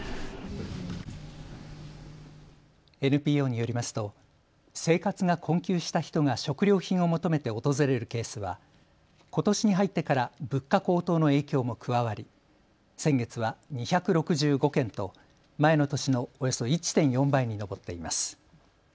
ＮＰＯによりますと生活が困窮した人が食料品を求めて訪れるケースはことしに入ってから物価高騰の影響も加わり先月は２６５件と前の年のおよそ１．４倍に上っています。